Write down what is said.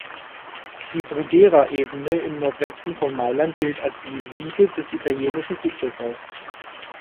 Die Brughiera-Ebene im Nordwesten von Mailand gilt als die Wiege des italienischen Flugzeugbaus.